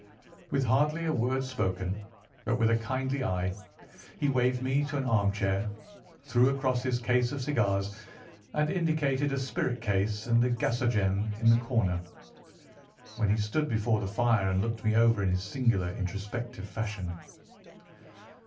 With hardly a word spoken, but with a kindly eye, he waved me to an armchair, threw across his case of cigars, and indicated a spirit case and a gasogene in the corner. Then he stood before the fire and looked me over in his singular introspective fashion.